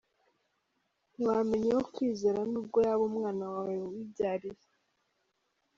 Ntiwamenya uwo kwizera nubwo yaba umwana wawe wibyariye.